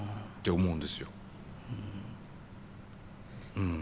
うん。